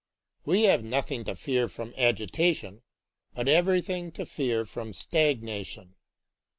We have nothing to fear from agitation, but every thing to fear from stagnation.